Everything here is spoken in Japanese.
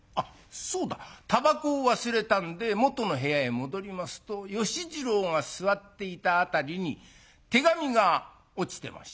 タバコを忘れたんでもとの部屋へ戻りますと芳次郎が座っていた辺りに手紙が落ちてまして。